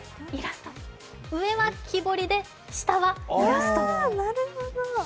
上は木彫りで下はイラスト。